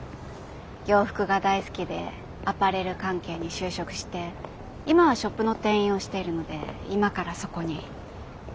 洋服が大好きでアパレル関係に就職して今はショップの店員をしているので今からそこに。